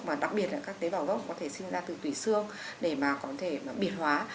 và đặc biệt là các tế bào gốc có thể sinh ra từ tùy xương để mà có thể bịt hóa